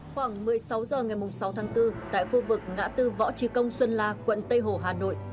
khoảng một mươi sáu h ngày sáu tháng bốn tại khu vực ngã tư võ trí công xuân la quận tây hồ hà nội